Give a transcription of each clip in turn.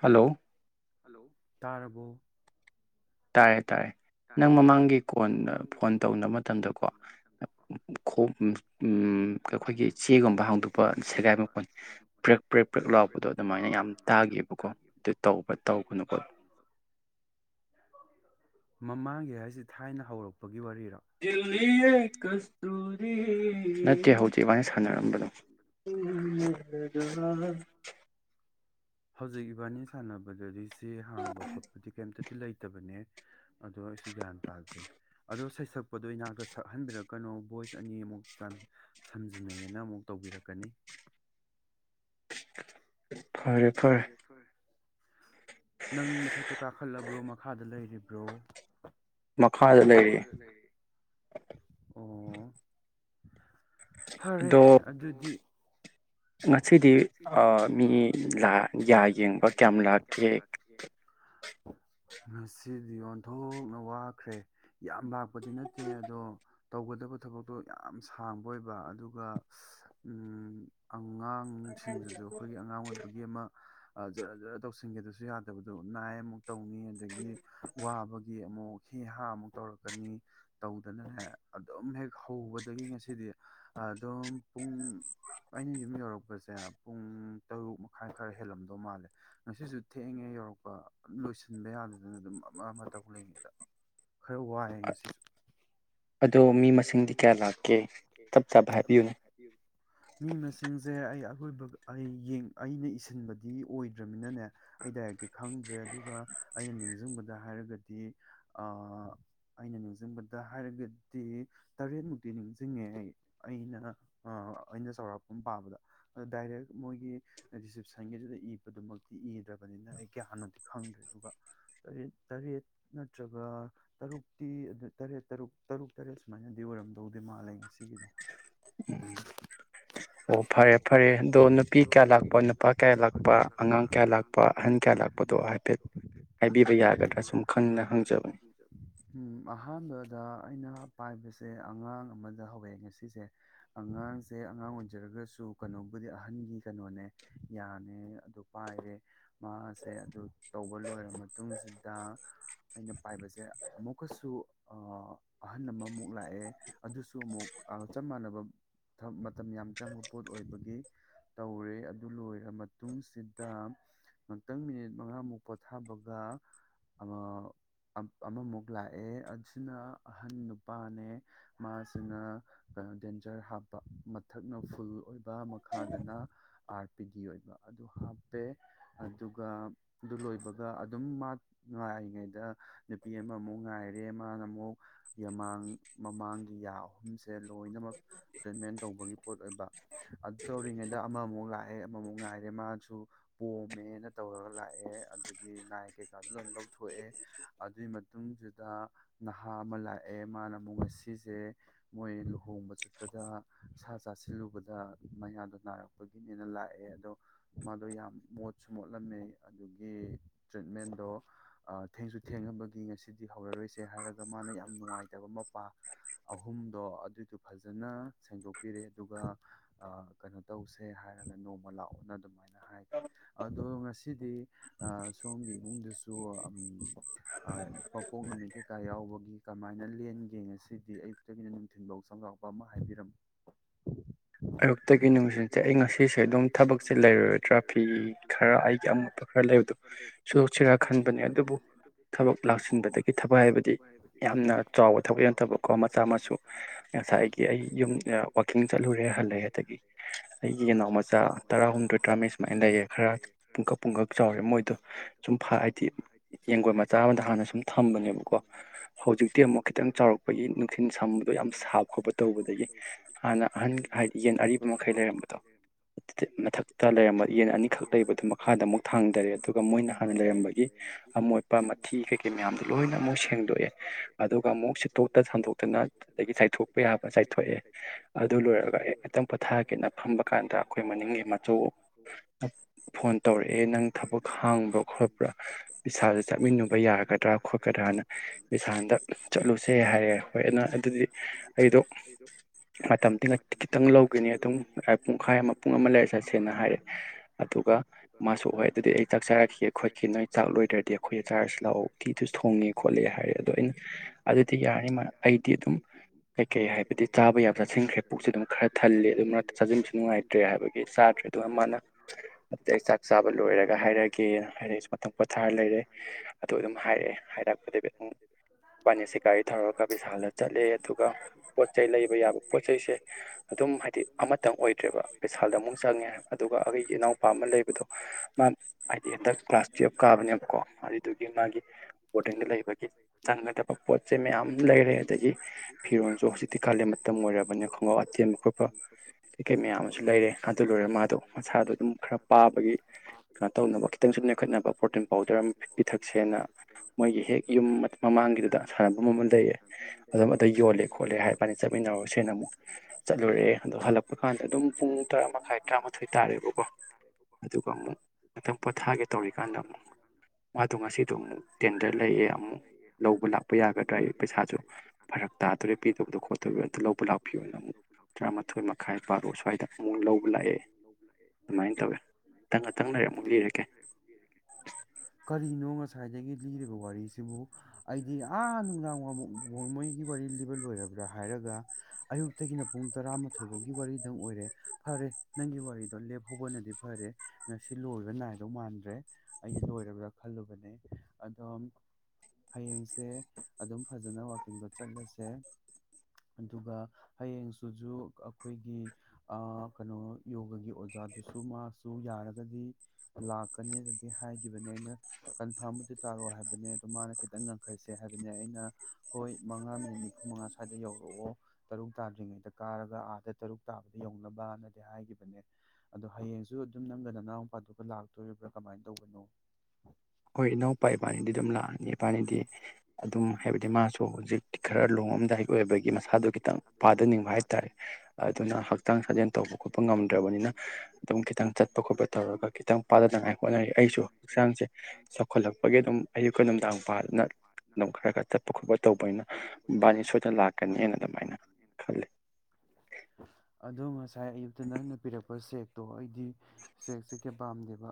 hello hello ꯇꯥꯔꯕꯣ ꯇꯥꯏꯌꯦ ꯇꯥꯏꯌꯦ ꯅꯪ ꯃꯃꯥꯡꯒꯤ ꯀꯣꯟ ꯐꯣꯟ ꯇꯧꯅꯕ ꯃꯇꯝꯗꯀꯣ ꯑꯩꯈꯣꯏꯒꯤ ꯆꯦꯒꯨꯝꯕ ꯍꯥꯡꯗꯣꯛꯄ ꯁꯦꯒꯥꯏ ꯃꯈꯣꯟ ꯄ꯭ꯔꯦꯛ ꯄ꯭ꯔꯦꯛ ꯄ꯭ꯔꯦꯛ ꯂꯥꯎꯕꯗꯣ ꯑꯗꯨꯃꯥꯏꯅ ꯌꯥꯝ ꯇꯥꯈꯤꯕꯀꯣ ꯑꯗꯨ ꯇꯧꯕ ꯇꯧꯒꯅꯨꯀꯣ ꯃꯃꯥꯡꯒꯤ ꯍꯥꯏꯁꯤ ꯊꯥꯏꯅ ꯍꯧꯔꯛꯄꯒ ꯅꯠꯇꯦ ꯍꯧꯖꯤꯛ ꯋꯥꯅ ꯁꯥꯟꯅꯔꯝꯕꯅꯣ ꯍꯧꯖꯤꯛ ꯏꯕꯥꯅꯤ ꯁꯥꯟꯅꯕꯗꯗꯤ ꯁꯤ ꯍꯥꯡꯕ ꯈꯣꯠꯄꯗꯤ ꯀꯩꯝꯇꯗꯤ ꯂꯩꯇꯕꯅꯦ ꯑꯗꯣ ꯑꯩꯁꯨ ꯒ꯭ꯌꯥꯟ ꯇꯥꯗ꯭ꯔꯤ ꯑꯗꯣ ꯁꯩꯁꯛꯄꯗꯣ ꯏꯅꯥꯛꯇ ꯁꯛꯍꯟꯕꯤꯔꯛꯀꯅꯣ ꯚꯣꯏꯁ ꯑꯅꯤ ꯑꯃꯨꯛ ꯁꯝꯖꯤꯟꯅꯩꯌꯦꯅ ꯑꯃꯨꯛ ꯇꯧꯕꯤꯔꯛꯀꯅꯤ [inaudible] ꯐꯔꯦ ꯐꯔꯦ ꯅꯪ ꯃꯊꯛꯇ ꯀꯥꯈꯠꯂꯕ꯭ꯔꯣ ꯃꯈꯥꯗ ꯂꯩꯔꯤ ꯕ꯭ꯔꫭ ꯃꯈꯥꯗ ꯂꯩꯔꯤ ꯑꯩ ꯑꯣ ꯐꯔꯦ ꯑꯗꯨꯗꯤ ꯉꯁꯤꯗꯤ ꯑ ꯃꯤ ꯂ ꯌꯥ ꯌꯦꯡꯕ ꯀꯌꯥꯝ ꯂꯥꯛꯀꯦ ꯉꯁꯤꯗꯤ ꯑꯣꯟꯊꯣꯛꯅ ꯋꯥꯈ꯭ꯔꯦ ꯌꯥꯝꯂꯥꯛ ꯄꯗꯤ ꯅꯠꯇꯦ ꯑꯗꯣ ꯇꯧꯒꯗꯕ ꯊꯕꯛꯇꯣ ꯌꯥꯝ ꯁꯥꯡꯕ ꯑꯣꯏꯕ ꯑꯗꯨꯒ ꯎꯝ ꯉꯥꯡꯁꯤꯡꯁꯤꯖꯨ ꯑꯩꯈꯣꯏꯒꯤ ꯑꯉꯥꯡ ꯑꯣꯏꯕꯒꯤ ꯑꯃ ꯑ ꯖꯔꯥ ꯖꯔꯥ ꯇꯧꯁꯤꯟꯒꯦꯗꯁꯨ ꯌꯥꯗꯕꯗꯣ ꯅꯥꯏꯌꯦ ꯑꯃꯨꯛ ꯇꯧꯅꯤ ꯑꯗꯒꯤ ꯋꯥꯕꯒꯤ ꯑꯃꯨꯛ ꯍꯤ ꯍꯥꯥ ꯑꯃꯨꯛ ꯇꯧꯔꯛꯀꯅꯤ ꯇꯧꯗꯅ ꯍꯦ ꯑꯗꯨꯝ ꯍꯦꯛ ꯍꯧꯕꯗꯒꯤ ꯉꯁꯤꯗꯤ ꯑꯗꯨꯝ ꯄꯨꯡ ꯑꯩꯅ ꯌꯨꯝ ꯌꯧꯔꯛꯄꯁꯦ ꯄꯨꯡ ꯇꯔꯨꯛ ꯃꯈꯥꯏ ꯈꯔꯥ ꯍꯦꯜꯂꯝꯗꯧ ꯃꯥꯜꯂꯦ ꯉꯁꯤꯁꯨ ꯊꯦꯡꯉꯦ ꯌꯧꯔꯛꯄ ꯂꯣꯏꯁꯤꯟꯕ ꯌꯥꯗ ꯅ ꯑꯗꯨꯝ ꯑꯃ ꯑꯃ ꯇꯧ ꯂꯩꯉꯩꯗ ꯈꯔ ꯋꯥꯑꯦ ꯉꯁꯤꯁꯨ ꯑꯗꯣ ꯃꯤ ꯃꯁꯤꯡꯗꯤ ꯀꯌꯥ ꯂꯥꯛꯀꯦ ꯆꯞ ꯆꯥꯕ ꯍꯥꯏꯕꯤꯌꯨꯅꯦ ꯃꯤ ꯃꯁꯤꯡꯖꯦ ꯑꯩ ꯑꯈꫭꯏꯕꯒ ꯑꯩ ꯌꯦꯡ ꯑꯩꯅ ꯏꯁꯤꯟꯕꯗꯤ ꯑꯣꯏꯗ꯭ꯔꯃꯤꯅꯅꯦ ꯑꯩ ꯗꯥꯏꯔꯦꯛꯇꯤ ꯈꯪꯗ꯭ꯔꯦ ꯑꯗꯨꯒ ꯑꯩꯅ ꯅꯤꯡꯖꯡꯕꯗ ꯍꯥꯏꯔꯒꯗꯤ ꯑ ꯑꯩꯅ ꯅꯤꯡꯖꯛꯕꯗ ꯍꯥꯏꯔꯒ ꯗꯤ ꯇꯔꯦꯠꯃꯨꯛꯇꯤ ꯅꯤꯡꯁꯤꯡꯉꯦ ꯑꯩꯅ ꯑ ꯑꯩꯅ ꯆꯥꯎꯔꯥꯛꯄ ꯑꯝ ꯄꯥꯕꯗ ꯑ ꯗꯥꯏꯔꯦꯛ ꯃꯣꯏꯒꯤ ꯔꯤꯁꯤꯞꯁꯟꯒꯤꯗꯨꯗ ꯏꯕꯗꯨꯃꯛꯇꯤ ꯏꯗ꯭ꯔꯕꯅꯤꯅ ꯑꯩ ꯀꯌꯥꯅꫭꯗꯤ ꯈꯪꯗ꯭ꯔꯦ ꯑꯗꯨꯒ ꯇꯔꯦꯠ ꯇꯔꯦꯠ ꯅꯠꯇ꯭ꯔꯒ ꯇꯔꯨꯛꯇꯤ ꯑꯗꯨ ꯇꯔꯦꯠ ꯇꯔꯨꯛ ꯇꯔꯨꯛ ꯇꯔꯦꯠ ꯁꯨꯃꯥꯏꯅꯗꯤ ꯑꯣꯏꯔꯝꯗꯧꯗꯤ ꯃꯥꯜꯂꯦ ꯉꯁꯤꯒꯤꯗꯣ [inaudible] [inaudible] ꯑꯣ ꯐꯔꯦ ꯐꯔꯦ ꯑꯗꯣ ꯅꯨꯄꯤ ꯀꯌꯥ ꯂꯥꯛꯄ ꯅꯨꯄꯥ ꯀꯌꯥ ꯂꯥꯛꯄ ꯑꯉꯥꯡ ꯀꯌꯥ ꯂꯥꯛꯄ ꯑꯍꯟ ꯀꯌꯥ ꯂꯥꯛꯄꯗꯣ ꯍꯥꯏꯐꯦꯠ ꯍꯥꯏꯕꯤꯕ ꯌꯥꯒꯗ꯭ꯔꯥ ꯁꯨꯝ ꯈꯪꯅꯤꯡꯗꯅ ꯍꯪꯖꯕꯅꯤ ꯁꯦ ꯑꯉꯥꯡ ꯑꯃꯗ ꯍꯧꯋꯦ ꯉꯁꯤꯁꯦ ꯑꯉꯥꯡꯁꯦ ꯑꯉꯥꯡ ꯑꯣꯏꯖꯔꯒꯁꯨ ꯁꯨ ꯀꯩꯅꯣꯕꯨꯗꯤ ꯑꯍꯟꯒꯤ ꯀꯩꯅꯣꯅꯦ ꯌꯥꯅꯦ ꯑꯗꯨ ꯄꯥꯏꯔꯦ ꯃꯥꯁꯦ ꯑꯗꯨ ꯇꯧꯕ ꯂꯣꯏꯔꯕ ꯃꯇꯨꯡꯖꯤꯗ ꯑꯩꯅ ꯄꯥꯏꯕꯁꯦ ꯑꯃꯨꯛꯀꯁꯨ ꯑ ꯑꯍꯟ ꯑꯃꯃꯨꯛ ꯂꯥꯛꯑꯦ ꯑꯗꯨꯁꯨ ꯑꯃꯨꯛ ꯑ ꯆꯞ ꯃꯥꯟꯅꯕ ꯊ ꯃꯇꯝ ꯌꯥꯝ ꯆꯪꯕ ꯄꯣꯠ ꯑꯣꯏꯕꯒꯤ ꯇꯧꯔꯦ ꯑꯗꯨ ꯂꯣꯏꯔ ꯃꯇꯨꯡꯁꯤꯗ ꯉꯥꯛꯇꯪ ꯃꯤꯅꯤꯠ ꯃꯉꯥꯃꯨꯛ ꯄꯣꯊꯥꯕꯒ ꯑꯃ ꯑꯃꯃꯨꯛ ꯂꯥꯛꯑꯦ ꯑꯁꯤꯅ ꯑꯍꯟ ꯅꯨꯄꯥꯅꯦ ꯃꯥꯁꯤꯅ ꯀꯥꯅꫭ ꯗꯦꯟꯖꯔ ꯍꯥꯞꯄ ꯃꯊꯛꯅ ꯐꯨꯜ ꯑꯣꯏꯕ ꯃꯈꯥꯗꯅ ꯑꯥꯔ ꯄꯤ ꯗꯤ ꯑꯣꯏꯕ ꯑꯗꯨ ꯍꯥꯞꯄꯦ ꯑꯗꯨꯒ ꯑꯗꯨ ꯂꯣꯏꯕꯒ ꯑꯗꯨꯝ ꯃꯥ ꯉꯥꯏꯔꯤꯉꯩꯗ ꯅꯨꯄꯤ ꯑꯃꯃꯨꯛ ꯉꯥꯏꯔꯦ ꯃꯥꯅ ꯑꯃꯨꯛ ꯌꯥꯃꯥꯡ ꯃꯃꯥꯡꯒꯤ ꯌꯥ ꯑꯍꯨꯝꯁꯦ ꯂꯣꯏꯅꯃꯛ ꯇ꯭ꯔꯤꯠꯃꯦꯟ ꯇꯧꯕꯒꯤ ꯄꯣꯠ ꯑꯣꯏꯕ ꯑꯗꯨ ꯇꯧꯔꯤꯉꯩꯗ ꯑꯃꯃꯨꯛ ꯂꯥꯛꯑꯦ ꯑꯃꯃꯨꯛ ꯉꯥꯏꯔꯦ ꯃꯥꯖꯨ ꯄꯣꯝꯃꯦꯅ ꯇꯧꯔꯒ ꯂꯥꯛꯑꯦ ꯑꯗꯨꯗꯒꯤ ꯅꯥꯏ ꯀꯩꯀꯥꯗꯣ ꯂꯣꯏ ꯂꯧꯊꯣꯛꯑꯦ ꯑꯗꯨꯒꯤ ꯃꯇꯨꯡꯖꯤꯗ ꯅꯍꯥ ꯑꯃ ꯂꯥꯛꯑꯦ ꯃꯥꯅ ꯑꯃꯨꯛ ꯉꯁꯤꯖꯦ ꯃꯣꯏ ꯂꯨꯍꯣꯡꯕ ꯆꯠꯄꯗ ꯁꯥ ꯆꯥꯁꯤꯜꯂꯨꯕꯗ ꯗ ꯃꯌꯥꯗꯣ ꯅꯥꯔꯛꯄꯒꯤꯅꯦꯅ ꯂꯥꯛꯑꯦ ꯑꯗꯣ ꯃꯥꯗꯣ ꯌꯥꯝ ꯃꯣꯠꯁꯨ ꯃꯣꯠꯂꯝꯃꯦ ꯑꯗꯨꯒꯤ ꯇ꯭ꯔꯤꯠꯃꯦꯟꯗꯣ ꯑ ꯊꯦꯡꯁꯨ ꯊꯦꯡꯉꯕꯒꯤ ꯉꯁꯤꯗꯤ ꯍꯧꯔꯔꯣꯏꯁꯦ ꯍꯥꯏꯔꯒ ꯃꯥꯅ ꯌꯥꯝ ꯅꯨꯡꯉꯥꯏꯇꯕ ꯃꯄꯥ ꯑꯍꯨꯝꯗꯣ ꯑꯗꯨꯗꯣ ꯐꯖꯅ ꯁꯦꯡꯗꯣꯛꯄꯤꯔꯦ ꯑꯗꯨꯒ ꯑ ꯀꯩꯅꯣ ꯇꯧꯁꯦ ꯍꯥꯏꯔꯒ ꯅꯣꯡꯃ ꯂꯥꯛꯑꯣꯅ ꯑꯗꯨꯃꯥꯏꯅ ꯍꯥꯏꯈ꯭ꯔꯦ ꯑꯗꯣ ꯉꯁꯤꯗꯤ ꯑ ꯁꯣꯝꯒꯤ ꯏꯃꯨꯡꯗꯁꯨ ꯑꯝ ꯃꯄꯣꯛ ꯅꯨꯃꯤꯠ ꯀꯩꯀꯥ ꯌꯥꯎꯕꯒꯤ ꯀꯃꯥꯏꯅ ꯂꯦꯟꯒꯦ ꯉꯁꯤꯗꯤ ꯑꯌꯨꯛꯇꯒꯤꯅ ꯅꯨꯡꯊꯤꯟꯐꯧ ꯁꯝꯂꯥꯛꯄ ꯑꯃ ꯍꯥꯏꯕꯤꯔꯝꯃꯨ ꯑꯌꯨꯛꯇꯒꯤ ꯅꯨꯡꯗꯤꯟꯁꯦ ꯑꯩ ꯉꯁꯤꯁꯦ ꯑꯗꯨꯝ ꯊꯕꯛꯁꯦ ꯂꯩꯔꯔꯦꯏꯗ꯭ꯔ ꯐꯤ ꯈꯔ ꯑꯩꯒꯤ ꯑꯃꯣꯠꯄ ꯈꯔ ꯂꯩꯕꯗꯣ ꯁꯨꯗꯣꯛꯁꯤꯔ ꯈꯟꯕꯅꯦ ꯑꯗꯨꯕꯨ ꯊꯕꯛ ꯂꯥꯛꯁꯤꯟꯕꯗꯒꯤ ꯊꯕꯛ ꯍꯥꯏꯕꯗꯤ ꯌꯥꯝꯅ ꯆꯥꯎꯕ ꯊꯕꯛꯇꯤ ꯅꯠꯇꯕ ꯃꯥꯆꯥ ꯃꯥꯁꯨ ꯉꯁꯥꯏꯒꯤ ꯑꯩ ꯌꯨꯝ ꯋꯛꯀꯤꯡ ꯆꯠꯂꯨꯔꯦ ꯂꯩ ꯑꯗꯒꯤ ꯑꯩꯒꯤ ꯌꯦꯅꯥꯎ ꯃꯆꯥ ꯇꯔꯥꯍꯨꯝꯗꯣꯏ ꯇꯔꯥꯃꯔꯤ ꯁꯨꯃꯥꯏꯅ ꯂꯩꯌꯦ ꯈꯔ ꯄꯨꯡꯀꯛ ꯄꯨꯡꯀꯛ ꯆꯥꯎꯔꯦ ꯃꯣꯏꯗꯣ ꯁꯨꯝꯐ ꯍꯥꯏꯗꯤ ꯌꯦꯡꯒꯣꯏ ꯃꯆꯥ ꯑꯃꯗ ꯍꯥꯟꯅ ꯁꯨꯝ ꯊꯝꯕꯅꯦꯕꯀꯣ ꯍꯧꯖꯤꯛꯇꯤ ꯑꯃꯨꯛ ꯈꯤꯇꯪ ꯆꯥꯎꯔꯛꯄꯒꯤ ꯅꯨꯡꯊꯤꯜ ꯁꯝꯕꯗꯣ ꯌꯥꯝ ꯁꯥꯕ ꯈꯣꯠꯄ ꯇꯧꯕꯗꯒꯤ ꯍꯥꯟꯅ ꯍꯥꯏꯗꯤ ꯌꯦꯟ ꯑꯔꯤꯕ ꯃꯈꯩ ꯂꯩꯔꯝꯕꯗꯣ ꯃꯊꯛꯇ ꯂꯩꯔꯝꯕ ꯌꯦꯟ ꯑꯅꯤꯈꯛ ꯂꯩꯕꯗꯣ ꯃꯈꯥꯗ ꯑꯃꯨꯛ ꯊꯥꯡꯗꯔꯦ ꯑꯗꯨꯒ ꯃꯣꯏꯅ ꯍꯥꯟꯅ ꯂꯩꯔꯝꯕꯒꯤ ꯑꯃꯣꯠꯄ ꯃꯊꯤ ꯀꯩꯀꯩ ꯃꯌꯥꯝꯗꯣ ꯂꯣꯏꯅ ꯑꯃꯨꯛ ꯁꯦꯡꯗꯣꯛꯑꯦ ꯑꯗꯨꯒ ꯑꯃꯨꯛ ꯁꯤꯠꯇꯣꯛꯇ ꯁꯟꯗꯣꯛꯇꯅ ꯑꯗꯒꯤ ꯆꯥꯏꯊꯣꯛꯄ ꯌꯥꯕ ꯆꯥꯏꯊꯣꯛꯑꯦ ꯑꯗꯨ ꯂꯣꯏꯔꯒ ꯑꯩ ꯉꯇꯪꯄꯣꯊꯒꯦꯅ ꯐꯝꯕ ꯀꯥꯟꯗ ꯑꯩꯈꯣꯏ ꯃꯅꯤꯡꯒꯤ ꯃꯆꯧ ꯐꯣꯟ ꯇꯧꯔꯛꯑꯦ ꯅꯪ ꯊꯕꯛ ꯍꯥꯡꯕ꯭ꯔ ꯈꯣꯠꯄ꯭ꯔ ꯚꯥꯁꯥꯜꯗ ꯆꯠꯃꯤꯟꯅꯕ ꯌꯥꯒꯗ꯭ꯔꯥꯅ ꯈꯣꯠꯀꯗ꯭ꯔꯥꯅ ꯚꯤꯁꯥꯜꯗ ꯆꯠꯂꯨꯁꯦ ꯍꯥꯏꯌꯦ ꯍꫭꯏ ꯑꯩꯅ ꯑꯗꯨꯗꯤ ꯑꯩꯗꯣ ꯃꯇꯝꯗꯤ ꯈꯤꯇꯪ ꯂꯧꯒꯅꯤ ꯑꯗꯨꯝ ꯄꯨꯡꯈꯥꯏ ꯑꯃ ꯄꯨꯡ ꯑꯃ ꯂꯩꯔ ꯆꯠꯁꯦꯅ ꯍꯥꯏꯔꯑꯦ ꯑꯗꯨꯒ ꯃꯥꯁꯨ ꯍꫭꯏ ꯑꯗꯨꯗꯤ ꯑꯩ ꯆꯥꯛ ꯆꯥꯔꯛꯈꯤꯒꯦ ꯈꯣꯠꯈꯤꯒꯦ ꯅꯣꯏ ꯆꯥꯛ ꯂꯣꯏꯗ꯭ꯔꯗꯤ ꯑꯩꯈꯣꯏꯗ ꯆꯥꯔꯁꯤ ꯂꯥꯛꯑꫭ ꯎꯇꯤꯖꯨ ꯊꯣꯡꯉꯦ ꯈꯣꯠꯂꯦ ꯍꯥꯏꯔꯦ ꯑꯗꯣ ꯑꯩꯅ ꯑꯗꯨꯗꯤ ꯌꯥꯔꯅꯤ ꯃꯥ ꯑꯩꯗꯤ ꯑꯗꯨꯝ ꯀꯩꯀꯩ ꯍꯥꯏꯕꯗꯤ ꯆꯥꯕ ꯌꯥꯕ ꯆꯥꯁꯤꯟꯈ꯭ꯔꯦ ꯄꯨꯛꯁꯨ ꯑꯗꯨꯝ ꯈꯔ ꯊꯜꯂꯦ ꯑꯗꯨꯝ ꯃꯔꯛꯇ ꯆꯥꯁꯤꯟꯕꯁꯨ ꯅꯨꯡꯉꯥꯏꯇ꯭ꯔꯦ ꯍꯥꯏꯕꯒꯤ ꯆꯥꯗ꯭ꯔꯦ ꯑꯗꯨꯒ ꯃꯥꯅ ꯑꯗꯨꯗꯤ ꯑꯩ ꯆꯥꯛ ꯆꯥꯕ ꯂꯣꯏꯔꯒ ꯍꯥꯏꯔꯛꯑꯒꯦꯅ ꯍꯥꯏꯔꯛꯑꯦ ꯑꯩꯁꯨ ꯉꯛꯇꯪ ꯄꯣꯊꯥꯔ ꯂꯩꯔꯦ ꯑꯗꯨꯒ ꯑꯗꯨꯝ ꯍꯥꯏꯔꯛꯑꯦ ꯍꯥꯏꯔꯛꯄꯗꯒꯤ ꯑꯗꯨꯝ ꯏꯕꯥꯟꯅꯤꯁꯦ ꯒꯥꯔꯤ ꯊꯧꯔꯒ ꯕꯤꯁꯥꯜꯗ ꯆꯠꯂꯦ ꯑꯗꯨꯒ ꯄꯣꯠ ꯆꯩ ꯂꯩꯕ ꯌꯥꯕ ꯄꯣꯠꯆꯩꯁꯦ ꯑꯗꯨꯝ ꯍꯥꯏꯗꯤ ꯑꯃꯇꯪ ꯑꯣꯏꯗ꯭ꯔꯦꯕ ꯚꯤꯁꯜꯗ ꯑꯃꯨꯛ ꯆꯪꯉꯦ ꯑꯗꯨꯒ ꯑꯩꯒꯤ ꯏꯅꯥꯎꯄꯥ ꯑꯃ ꯂꯩꯕꯗꯣ ꯃꯥ ꯍꯥꯏꯗꯤ ꯍꯟꯗꯛ ꯀ꯭ꯂꯥꯁ ꯇꯨꯌꯦꯜꯞ ꯀꯥꯕꯅꯦꯕꯀꯣ ꯑꯗꯨꯗꯨꯒꯤ ꯃꯥꯒꯤ ꯕꯣꯔꯗꯤꯡꯗ ꯂꯩꯕꯒꯤ ꯆꯪꯒꯗꯕ ꯄꯣꯠꯁꯦ ꯃꯌꯥꯝ ꯂꯩꯔꯦ ꯑꯗꯒꯤ ꯐꯤꯔꯣꯜꯁꯨ ꯍꯧꯖꯤꯛꯇꯤ ꯀꯥꯂꯦꯟ ꯃꯇꯝ ꯑꯣꯏꯔꯕꯅꯦꯀꯣ ꯑꯇꯦꯟꯕ ꯈꯣꯠꯄ ꯀꯩ ꯀꯩ ꯃꯌꯥꯝ ꯑꯃꯁꯨ ꯂꯩꯔꯦ ꯑꯗꯨ ꯂꯣꯏꯔꯒ ꯃꯥꯗꯣ ꯃꯁꯥꯗꯣ ꯑꯗꯨꯝ ꯈꯔ ꯄꯥꯕꯒꯤ ꯀꯩꯅꯣ ꯇꯧꯅꯕ ꯈꯤꯇꯪ ꯁꯨꯝ ꯂꯦꯟꯈꯠꯅꯕ ꯄ꯭ꯔꯣꯇꯤꯟ ꯄꯥꯎꯗꯔ ꯑꯃ ꯄꯤꯊꯛꯁꯦꯅ ꯃꯣꯏꯒꯤ ꯍꯦꯛ ꯌꯨꯝ ꯃꯃꯥꯡꯒꯤꯗꯨꯗ ꯁꯥꯟꯅꯐꯝ ꯑꯃ ꯂꯩꯔꯦ ꯑꯗꯨꯝ ꯑꯗ ꯌꯣꯜꯂꯦ ꯈꯣꯠꯂꯦ ꯍꯥꯏꯔꯅꯤ ꯆꯠꯃꯤꯟꯅꯔꯨꯁꯦꯅ ꯑꯃꯨꯛ ꯆꯠꯂꯨꯔꯦ ꯑꯗꯣ ꯍꯜꯂꯛꯄ ꯀꯥꯟꯗ ꯑꯗꯨꯝ ꯄꯨꯡ ꯇꯔꯥ ꯃꯈꯥꯏ ꯇꯔꯥꯃꯥꯊꯣꯏ ꯇꯥꯔꯦꯕꯀꯣ ꯑꯗꯨꯒ ꯑꯃꯨꯛ ꯉꯇꯪ ꯄꯣꯊꯥꯒꯦ ꯇꯧꯔꯤꯀꯥꯟꯗ ꯑꯃꯨꯛ ꯃꯥꯗꯣ ꯉꯁꯤꯗꯣ ꯑꯃꯨꯛ ꯇꯦꯟꯗꯔ ꯂꯩꯌꯦ ꯑꯃꯨꯛ ꯂꯧꯕ ꯂꯥꯛꯄ ꯌꯥꯒꯗ꯭ꯔꯥ ꯄꯩꯁꯥꯁꯨ ꯐꯔꯛ ꯇꯥꯗꯔꯦ ꯄꯤꯗꯕꯗꯣ ꯈꯣꯠꯇꯕꯗꯣ ꯑꯝꯇ ꯂꯧꯕ ꯂꯥꯛꯄ ꯐꯤ ꯑꯣꯏꯅ ꯑꯃꯨꯛ ꯇꯔꯥꯃꯥꯊꯣꯏ ꯃꯈꯥꯏ ꯕꯥꯔꯣ ꯁ꯭ꯋꯥꯏꯗ ꯑꯃꯨꯛ ꯂꯧꯕ ꯂꯥꯛꯑꯦ ꯑꯗꯨꯃꯥꯏꯅ ꯇꯧꯋꯦ ꯉꯇꯪ ꯂꯩꯔꯒ ꯑꯃꯨꯛ ꯂꯤꯔꯒꯦ ꯉꯁꯥꯏꯗꯒꯤ ꯂꯤꯔꯤꯕ ꯋꯥꯔꯤꯁꯤꯕꯨ ꯑꯩꯗꯤ ꯑꯥ ꯅꯨꯡꯗꯥꯡ ꯋꯥꯏ ꯃꯣꯏꯒꯤ ꯋꯥꯔꯤ ꯂꯤꯕ ꯂꯣꯏꯔꯕ꯭ꯔꯥ ꯍꯥꯏꯔꯒ ꯑꯌꯨꯛꯇꯒꯤꯅ ꯄꯨꯡ ꯇꯔꯥꯃꯥꯊꯣꯏꯐꯥꯎꯒꯤ ꯋꯥꯔꯤꯗꯪ ꯑꯣꯏꯔꯦ ꯐꯔꯦ ꯅꯪꯒꯤ ꯋꯥꯔꯤꯗꯣ ꯂꯦꯞꯍꯧꯕꯅꯗꯤ ꯐꯔꯦ ꯉꯁꯤ ꯂꯣꯏꯕ ꯅꯥꯏꯗꯧ ꯃꯥꯟꯗ꯭ꯔꯦ ꯑꯩꯗꯤ ꯂꯣꯏꯔꯕ꯭ꯔꯥ ꯈꯜꯂꯨꯕꯅꯦ ꯑꯗꯣ ꯍꯌꯦꯡꯁꯦ ꯑꯗꯨꯝ ꯐꯖꯅ ꯋꯥꯛꯀꯤꯡꯗꯣ ꯆꯠꯂꯁꯦ ꯑꯗꯨꯒ ꯍꯌꯦꯡ ꯁꯨꯖꯨ ꯑꯩꯈꯣꯏꯒꯤ ꯀꯩꯅꯣ ꯌꯣꯒꯒꯤ ꯑꯣꯖꯥꯗꯨꯁꯨ ꯃꯥꯁꯨ ꯌꯥꯔ ꯑꯗꯨꯗꯤ ꯂꯥꯛꯀꯅꯤ ꯑꯗꯨꯗꯤ ꯍꯥꯏꯈꯤꯕꯅꯦ ꯑꯩꯅ ꯀꯟꯐꯥꯔꯝꯕꯨꯗꯤ ꯇꯥꯔꯣ ꯍꯥꯏꯕꯅꯦ ꯑꯗꯣ ꯃꯥꯅ ꯈꯤꯇꯪ ꯉꯟꯈꯠꯁꯦ ꯍꯥꯏꯕꯅꯦ ꯑꯩꯅ ꯍꯣꯏ ꯃꯉꯥ ꯃꯤꯅꯤꯠ ꯅꯤꯐꯨ ꯃꯉꯥ ꯁ꯭ꯋꯥꯏꯗ ꯌꯧꯔꯛꯑꯣ ꯇꯔꯨꯛ ꯇꯥꯗ꯭ꯔꯤꯉꯩꯗ ꯀꯥꯔꯒ ꯑꯥꯗ ꯇꯔꯨꯛ ꯇꯥꯕꯗ ꯌꯧꯅꯕꯅꯗꯤ ꯍꯥꯏꯒꯤꯈꯤꯕꯅꯦ ꯑꯗꯣ ꯍꯌꯦꯡꯁꯨ ꯑꯗꯨꯝ ꯅꯪꯒ ꯅꯅꯥꯎ ꯅꯨꯄꯥꯗꯨꯒ ꯂꯥꯛꯇꯣꯔꯤꯕ꯭ꯔꯥ ꯀꯃꯥꯏꯅ ꯇꯧꯕꯅꯣ ꯍꯣꯏ ꯏꯅꯥꯎꯄꯥ ꯏꯕꯥꯟꯅꯤꯗꯤ ꯑꯗꯨꯝ ꯂꯥꯛꯑꯅꯤ ꯏꯕꯥꯟꯅꯤꯗꯤ ꯑꯗꯨꯝ ꯍꯥꯏꯕꯗꯤ ꯃꯥꯁꯨ ꯍꯧꯖꯤꯛꯇꯤ ꯈꯔ ꯂꯨꯍꯣꯡꯑꯝꯗꯥꯏ ꯑꯣꯏꯕꯒꯤ ꯃꯁꯥꯗꯣ ꯈꯤꯇꯪ ꯄꯥꯊꯅꯤꯡꯕ ꯍꯥꯏꯇꯥꯥꯔꯦ ꯑꯗꯨꯅ ꯍꯛꯆꯥꯡ ꯁꯥꯖꯦꯜ ꯇꯧꯕ ꯈꯣꯠꯄ ꯉꯝꯗ꯭ꯔꯕꯅꯤꯅ ꯑꯗꯨꯝ ꯈꯤꯇꯪ ꯆꯠꯄ ꯈꯣꯠꯄ ꯇꯧꯔꯒ ꯈꯤꯇꯪ ꯄꯥꯗꯅꯉꯥꯏ ꯍꯣꯠꯅꯔꯤ ꯑꯩꯁꯨ ꯍꯛꯆꯥꯡꯁꯦ ꯆꯥꯎꯈꯠꯂꯛꯄꯒꯤ ꯑꯗꯨꯝ ꯑꯌꯨꯛꯀ ꯅꯨꯡꯗꯥꯡ ꯄꯥꯗꯅ ꯑꯗꯨꯝ ꯈꯔ ꯈꯔ ꯈꯣꯠꯄ ꯇꯧꯕꯅ ꯏꯕꯥꯅꯤ ꯁꯣꯏꯗꯅ ꯂꯥꯛꯀꯅꯤꯅ ꯑꯗꯨꯃꯥꯏꯅ ꯈꯜꯂꯤ ꯉꯁꯥꯏ ꯑꯌꯨꯛꯇ ꯅꯪꯅ ꯄꯤꯔꯛꯄ ꯁꯦꯛꯇꯣ ꯑꯩꯗꯤ ꯁꯦꯛꯁꯦ ꯀꯌꯥ ꯄꯥꯝꯗꯦꯕ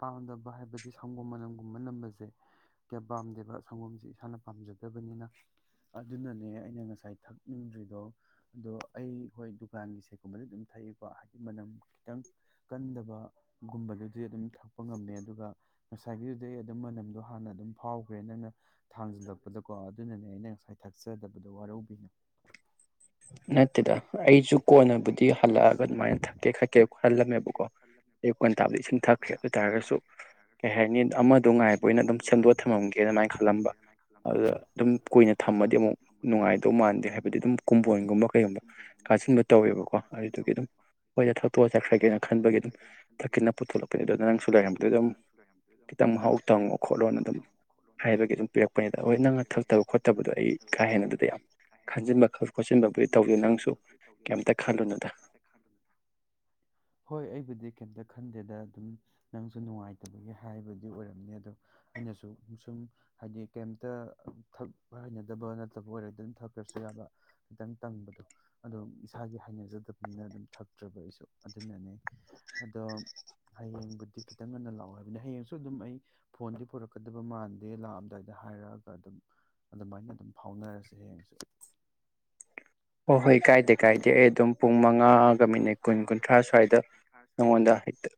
ꯄꯥꯝꯗꯕ ꯍꯥꯏꯕꯗꯤ ꯁꯪꯒꯣꯝ ꯃꯅꯝꯒꯨꯝꯕ ꯅꯝꯕꯁꯦ ꯀꯌꯥ ꯄꯥꯝꯗꯦꯕ ꯁꯪꯒꯣꯝꯁꯦ ꯏꯁꯥꯅ ꯄꯥꯝꯖꯗꯕꯅꯤꯅ ꯑꯗꯨꯅꯅꯦ ꯑꯩꯅ ꯉꯁꯥꯏ ꯊꯛꯅꯤꯡꯗ꯭ꯔꯤꯗꯣ ꯑꯗꯣ ꯑꯩ ꯍꯣꯏ ꯗꯨꯀꯥꯟꯒꯤ ꯁꯦꯛꯀꯨꯝꯕꯗꯤ ꯑꯗꯨꯝ ꯊꯛꯏꯀꯣ ꯍꯥꯏꯗꯤ ꯃꯅꯝ ꯈꯤꯇꯪ ꯀꯟꯗꯕꯒꯨꯝꯕꯗꯨꯗꯤ ꯑꯗꯨꯝ ꯊꯛꯄ ꯉꯝꯃꯦ ꯑꯗꯨꯒ ꯉꯁꯥꯏꯒꯤꯗꯨꯗꯩ ꯑꯗꯨꯝ ꯃꯅꯝꯗꯣ ꯍꯥꯟꯅ ꯑꯗꯨꯝ ꯐꯥꯎꯈ꯭ꯔꯦ ꯅꯪꯅ ꯊꯥꯡꯖꯤꯜꯂꯛꯄꯗꯀꯣ ꯑꯗꯨꯅꯅꯦ ꯑꯩꯅ ꯉꯁꯥꯏ ꯊꯥꯛꯆꯗꯕꯗꯣ ꯋꯥꯔꯧꯕꯤꯅꯨ ꯅꯠꯇꯦꯗ ꯑꯩꯁꯨ ꯀꯣꯟꯅꯕꯨꯗꯤ ꯍꯜꯂꯛꯑꯒ ꯑꯗꯨꯃꯥꯏꯅ ꯊꯛꯀꯦ ꯈꯠꯀꯦ ꯍꯜꯂꯝꯃꯦꯕꯀꯣ ꯑꯌꯨ ꯀꯣꯟꯅ ꯇꯥꯕꯗꯤ ꯏꯁꯤꯡ ꯊꯛꯈ꯭ꯔꯦ ꯑꯗꯨ ꯇꯥꯔꯒꯁꯨ ꯀꯩ ꯍꯥꯏꯅꯤ ꯑꯃꯗꯣ ꯉꯥꯏꯕ ꯑꯣꯏꯅ ꯑꯗꯨꯝ ꯁꯦꯝꯗꯣ ꯊꯝꯃꯝꯒꯦ ꯑꯗꯨꯃꯥꯏꯅ ꯈꯜꯂꯝꯕ ꯑꯗꯨꯗ ꯑꯗꯨꯝ ꯀꯨꯏꯅ ꯊꯝꯃꯗꯤ ꯑꯃꯨꯛ ꯅꯨꯡꯉꯥꯏꯗꯧ ꯃꯥꯟꯗꯦ ꯍꯥꯏꯕꯗꯤ ꯑꯗꯨꯝ ꯀꯥꯁꯤꯟꯕ ꯇꯧꯋꯦꯕꯀꯣ ꯑꯗꯨꯗꯨꯒꯤ ꯑꯗꯨꯝ ꯍꯣꯏꯗ ꯊꯛꯇꯣꯛꯑ ꯆꯠꯈ꯭ꯔꯒꯦꯅ ꯈꯟꯕꯒꯤ ꯑꯗꯨꯝ ꯊꯛꯀꯦꯅ ꯄꯨꯊꯣꯛꯂꯛꯄꯅꯦ ꯑꯗꯨ ꯅꯪꯁꯨ ꯂꯩꯔꯝꯕꯗ ꯑꯗꯨꯝ ꯈꯤꯇꯪ ꯃꯍꯥꯎ ꯇꯪꯉꯣ ꯈꯣꯠꯂꯣꯅ ꯑꯗꯨꯝ ꯍꯥꯏꯕꯒꯤ ꯑꯗꯨꯝ ꯄꯤꯔꯛꯄꯅꯦꯗ ꯍꯣꯏ ꯅꯪꯅ ꯊꯛꯇꯕ ꯈꯣꯠꯇꯕꯗꯣ ꯑꯩ ꯀꯥ ꯍꯦꯟꯅ ꯑꯗꯨꯗ ꯌꯥꯝ ꯈꯟꯖꯤꯟꯕ ꯈꯣꯠꯆꯤꯟꯕꯥꯕꯨꯗꯤ ꯇꯧꯗꯦ ꯈꯟꯖꯤꯟꯕꯥꯕꯨꯗꯤ ꯇꯧꯗꯦ ꯅꯡꯁꯨ ꯀꯩꯁꯨ ꯈꯟꯖꯤꯟꯂꯨꯅꯨꯗꯥ ꯍꯣꯏ ꯑꯩꯕꯨꯗꯤ ꯀꯩꯝꯇ ꯈꯟꯗꯦꯗ ꯑꯗꯨꯝ ꯅꯪꯁꯨ ꯅꯨꯡꯉꯥꯏꯇꯕꯒꯤ ꯍꯥꯏꯕꯗꯤ ꯑꯣꯏꯔꯝꯅꯤ ꯑꯗꯣ ꯑꯩꯅꯁꯨ ꯁꯨꯝ ꯍꯥꯏꯗꯤ ꯀꯩꯝꯇ ꯊꯛꯄ ꯍꯩꯅꯗꯕ ꯅꯠꯇꯕ ꯑꯣꯏꯔꯒꯗꯤ ꯑꯗꯨꯝ ꯊꯈ꯭ꯔꯁꯨ ꯌꯥꯕ ꯈꯤꯇꯪ ꯇꯪꯕꯗꯣ ꯑꯗꯨꯝ ꯏꯁꯥꯒꯤ ꯍꯩꯅꯖꯗꯕꯅꯤꯅ ꯑꯗꯨꯝ ꯊꯛꯇ꯭ꯔꯕ ꯑꯩꯁꯨ ꯑꯗꯨꯅꯅꯦ ꯑꯗꯣ ꯍꯌꯦꯡꯕꯨꯗꯤ ꯈꯤꯇꯪ ꯉꯟꯅ ꯂꯥꯛꯑꯣ ꯍꯥꯏꯕꯅꯤ ꯍꯌꯦꯡꯁꯨ ꯑꯗꯨꯝ ꯑꯩ ꯐꯣꯟꯗꯤ ꯄꯨꯔꯛꯀꯗꯕ ꯃꯥꯟꯗꯦ ꯂꯥꯛꯑꯝꯗꯥꯏꯗ ꯍꯥꯏꯔꯛꯑꯒ ꯑꯗꯨꯝ ꯑꯗꯨꯃꯥꯏꯅ ꯑꯗꯨꯝ ꯐꯥꯎꯅꯔꯁꯦ ꯍꯌꯦꯡꯁꯦ ꯍꯣꯏ ꯍꯣꯏ ꯀꯥꯏꯗꯦ ꯀꯥꯏꯗꯦ ꯑꯩ ꯑꯗꯨꯝ ꯄꯨꯡ ꯃꯉꯥꯒ ꯃꯤꯅꯤꯠ ꯀꯨꯟ ꯀꯨꯟꯊ꯭ꯔꯥ ꯁ꯭ꯋꯥꯏꯗ ꯅꯪꯉꯣꯟꯗ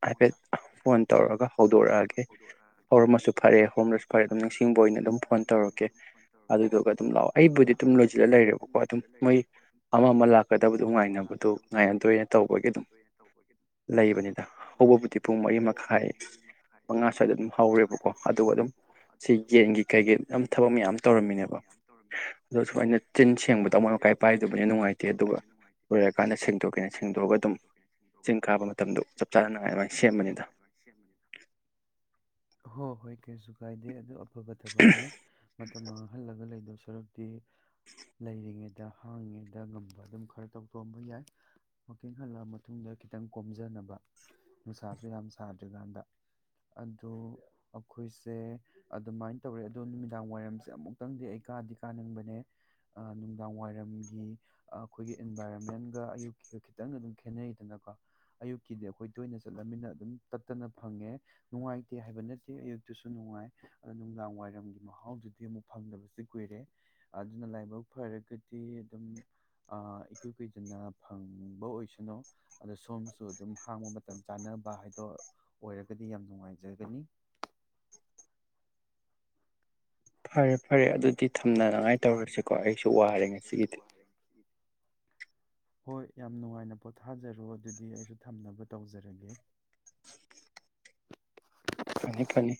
ꯍꯥꯏꯐꯦꯠ ꯐꯣꯟ ꯇꯧꯔꯒ ꯍꯧꯗꯣꯔꯛꯑꯒꯦ ꯍꯧꯔꯝꯃꯁꯨ ꯐꯔꯦ ꯍꯧꯔꯝꯗꯁꯨ ꯐꯔꯦ ꯑꯗꯨꯝ ꯅꯤꯡꯁꯤꯡꯕ ꯑꯣꯏꯅ ꯑꯗꯨꯝ ꯐꯣꯟ ꯇꯧꯔꯛꯀꯦ ꯑꯗꯨꯗꯨꯒ ꯑꯗꯨꯝ ꯂꯥꯛꯑꯣ ꯑꯩꯕꯨꯗꯤ ꯑꯗꯨꯝ ꯂꯣꯏꯁꯤꯜꯂ ꯂꯩꯔꯦꯕꯀꯣ ꯑꯗꯨꯝ ꯃꯣꯏ ꯑꯃ ꯑꯃ ꯂꯥꯛꯀꯗꯕꯗꯨ ꯉꯥꯏꯅꯕꯗꯣ ꯉꯥꯏꯅꯗꯣꯏꯅ ꯇꯧꯕꯒꯤ ꯑꯗꯨꯝ ꯂꯩꯕꯅꯤꯗ ꯍꯧꯕꯕꯨꯗꯤ ꯄꯨꯡ ꯃꯔꯤ ꯃꯈꯥꯏ ꯃꯉꯥ ꯁ꯭ꯋꯥꯏꯗ ꯑꯗꯨꯝ ꯍꯧꯔꯦꯕꯀꯣ ꯑꯗꯨꯒ ꯑꯗꯨꯝ ꯁꯤ ꯌꯦꯟꯒꯤ ꯀꯩꯒꯤ ꯊꯕꯛ ꯃꯌꯥꯝ ꯇꯧꯔꯝꯃꯤꯅꯦꯕ ꯑꯗꯣ ꯁꯨꯃꯥꯏꯅ ꯆꯤꯟ ꯁꯦꯡꯕꯗ ꯑꯃꯣꯠ ꯑꯀꯥꯏ ꯄꯥꯏꯗꯕꯩ ꯍꯣ [unintelligible] ꯍꯣꯏ ꯀꯩꯁꯨ ꯀꯥꯏꯗꯦ ꯑꯗꯣ ꯑꯐꯕ ꯊꯕꯛꯅꯦ ꯃꯇꯝ ꯃꯥꯡꯍꯜꯂꯒ ꯂꯩꯗꯣ__ ꯁꯨꯔꯛꯇꯤ ꯂꯩꯔꯤꯉꯩꯗ ꯍꯥꯡꯉꯤ ꯗ ꯉꯝꯕ ꯑꯗꯨꯝ ꯈꯔ ꯇꯧꯊꯣꯛꯑꯝꯕ ꯌꯥꯏ ꯋꯥꯀꯤꯡ ꯍꯜꯂꯛꯑ ꯃꯇꯨꯡꯗ ꯈꯤꯇꯪ ꯀꯣꯝꯖꯅꯕ ꯅꯨꯡꯁꯥꯁꯨ ꯌꯥꯝ ꯁꯥꯗ꯭ꯔꯤꯀꯥꯟꯗ ꯑꯗꯣ ꯑꯩꯈꯣꯏꯁꯦ ꯑꯗꯨꯃꯥꯏꯅ ꯇꯧꯔꯦ ꯑꯗꯣ ꯅꯨꯃꯤꯗꯥꯡ ꯋꯥꯏꯔꯝꯁꯦ ꯑꯃꯨꯛꯇꯪꯗꯤ ꯑꯩ ꯀꯥꯗꯤ ꯀꯥꯅꯤꯡꯕꯅꯦ ꯅꯨꯡꯗꯥꯡ ꯋꯥꯏꯔꯝꯒꯤ ꯑꯥ ꯈꯣꯢꯒꯤ ꯏꯤꯟꯚꯥꯢꯔꯣꯃꯦꯟꯒ ꯑꯌꯨꯛꯀꯤꯒ ꯈꯤꯇꯪ ꯑꯗꯨꯝ ꯈꯦꯠꯅꯩꯗꯅꯀꯣ ꯑꯌꯨꯛꯀꯤꯗꯤ ꯑꯩꯈꯣꯥꯏ ꯇꯣꯢꯅ ꯆꯠꯂꯝꯃꯤꯅ ꯑꯗꯨꯝ ꯇꯠꯇꯅ ꯐꯪꯉꯦ ꯅꯨꯡꯉꯥꯏꯇꯦ ꯍꯥꯢꯕ ꯅꯠꯇꯦ ꯑꯌꯨꯛꯇꯨꯁꯨ ꯅꯨꯡꯉꯥꯏ ꯑ ꯅꯨꯡꯗꯥꯡ ꯋꯥꯏꯔꯝꯒꯤ ꯃꯍꯥꯎꯗꯨꯗꯤ ꯑꯃꯨꯛ ꯐꯪꯗꯕꯁꯤ ꯀꯨꯏꯔꯦ ꯑꯗꯨꯅ ꯂꯥꯏꯕꯛ ꯐꯔꯒꯗꯤ ꯑꯗꯨꯝ ꯑ ꯏꯀꯨꯏ ꯀꯨꯏꯗꯅ ꯐꯪꯕ ꯑꯣꯏꯁꯅꯨ ꯑꯗꯣ ꯁꯣꯝꯁꯨ ꯑꯗꯨꯝ ꯍꯥꯡꯕ ꯃꯇꯝ ꯆꯥꯅꯕ ꯍꯥꯏꯗꯣ ꯑꯣꯏꯔꯒꯗꯤ ꯌꯥꯝ ꯅꯨꯡꯉꯥꯏꯖꯒꯅꯤ ꯐꯔꯦ ꯐꯔꯦ ꯑꯗꯨꯗꯤ ꯊꯝꯅꯅꯉꯥꯏ ꯇꯧꯔꯁꯤꯀꯣ ꯑꯩꯁꯨ ꯋꯥꯔꯦ ꯉꯁꯤꯒꯤꯗꯤ ꯍꯣꯏ ꯌꯥꯝ ꯅꯨꯡꯉꯥꯏꯅ ꯄꯣꯊꯥꯖꯔꯣ ꯑꯗꯨꯗꯤ ꯑꯩꯁꯨ ꯊꯝꯅꯕ ꯇꯧꯖꯔꯒꯦ ꯐꯅꯤ ꯐꯅꯤ